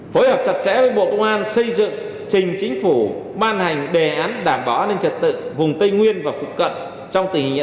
phối hợp chặt chẽ với bộ công an xây dựng trình chính phủ ban hành đề án đảm bảo an ninh trật tự vùng tây nguyên và phụ cận trong tình hình